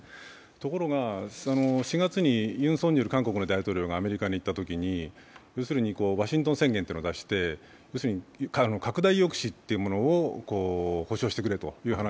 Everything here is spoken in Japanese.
ところが、４月にユン・ソンニョル、韓国大統領がアメリカに行ったときに、要するにワシントン宣言というのを出して拡大抑止というものを保証してくれという話。